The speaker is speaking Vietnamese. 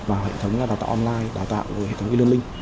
và hệ thống đào tạo online đào tạo hệ thống e learning